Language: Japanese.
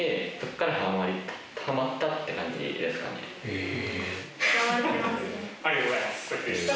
へえ。